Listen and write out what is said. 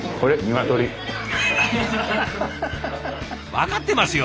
分かってますよ！